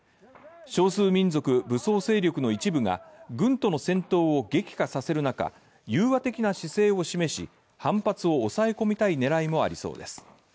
少数民族、武装勢力の一部が軍との戦闘を激化させる中融和的な姿勢を示し反発を抑え込みたい狙いもありそうです。